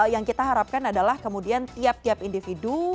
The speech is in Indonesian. yang kita harapkan adalah kemudian tiap tiap individu